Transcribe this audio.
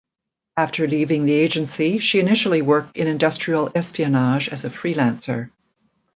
After leaving the agency, she initially worked in industrial espionage as a freelancer.